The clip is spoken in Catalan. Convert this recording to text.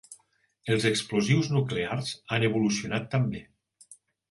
Els explosius nuclears han evolucionat també.